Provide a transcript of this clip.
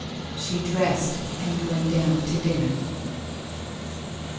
She dressed, and went down to dinner.